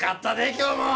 今日も。